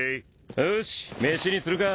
よし飯にするか。